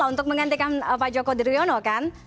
untuk menggantikan pak joko deryono kan